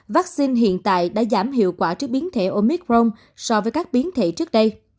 vaccine hiện tại đã giảm hiệu quả trước biến thể omicron so với các biến thể trước đây